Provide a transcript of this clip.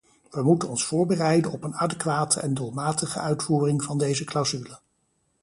Wij moeten ons voorbereiden op een adequate en doelmatige uitvoering van deze clausule.